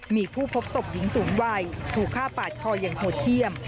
มีผู้พบศพหญิงสูงวัยถูกฆ่าปาดคออย่างโหดเยี่ยม